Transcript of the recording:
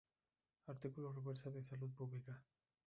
Artículo Revista de Salud Pública.